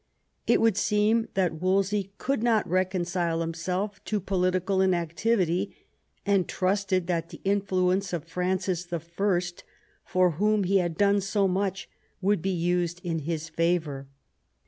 It would seem that Wolsey could not reconcile himself to political inactivity, and trusted that the influence of Francis I., for whom he had done so much, would be used in his favour.